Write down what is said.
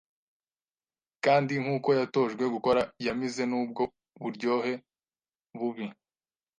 kandi nkuko yatojwe gukora yamize nubwo uburyohe bubi